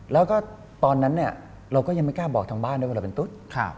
แล้วก็ตอนนั้นเราก็ยังไม่กล้าบอกทางบ้านด้วยว่าเราเป็นตุ๊ด